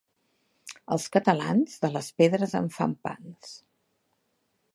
Els catalans, de les pedres en fan pans.